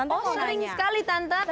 oh sering sekali tante